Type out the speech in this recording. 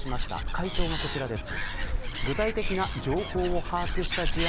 回答はこちらです。